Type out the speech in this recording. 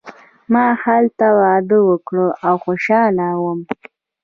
ما هلته واده وکړ او خوشحاله وم.